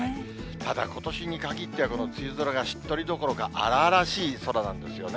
ただことしに限っては、この梅雨空がしっとりどころか、荒々しい空なんですよね。